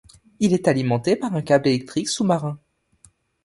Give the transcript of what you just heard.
Il est alimenté par un câble électrique sous-marin.